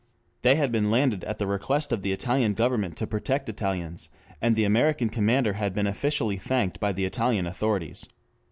They had been landed at the request of the Italian Government to protect Italians, and the American commander had been officially thanked by the Italian authorities.